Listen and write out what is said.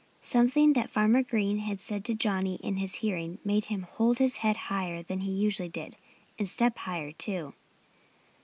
Something that Farmer Green had said to Johnnie in his hearing made him hold his head higher than he usually did and step higher, too.